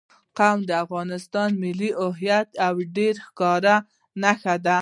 قومونه د افغانستان د ملي هویت یوه ډېره ښکاره نښه ده.